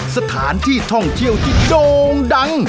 สถานที่ท่องเที่ยวที่โด่งดัง